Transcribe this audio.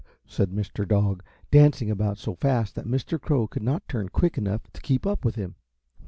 said Mr. Dog, dancing about so fast that Mr. Crow could not turn quick enough to keep up with him.